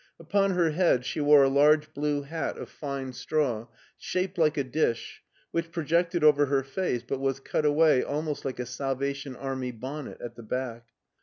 Upon her head she wore a large blue hat of fine straw, shaped like a dish, which projected over her face but was cut away almost like a Salvation Army bonnet at the back.